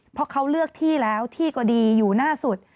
เพราะเขาเลือกที่แล้วที่ก็ดีอยู่หน้าสุด